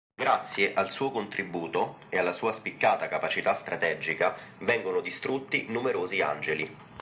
Grazie al suo contributo e alla sua spiccata capacità strategica vengono distrutti numerosi Angeli.